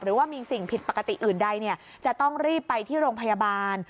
หรือว่ามีสิ่งผิดปกติอื่นใดจะต้องรีบไปที่โรงพยาบาล